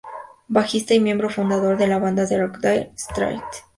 Bajista y miembro fundador de la banda de rock Dire Straits.